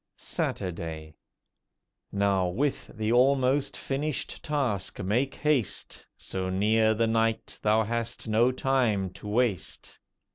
SATURDAY Now with the almost finished task make haste. So near the night thou hast no time to waste.